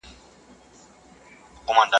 څرنګه به ستر خالق ما د بل په تور نیسي.